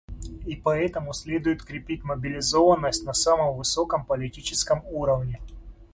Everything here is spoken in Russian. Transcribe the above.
И поэтому следует крепить мобилизованность на самом высоком политическом уровне.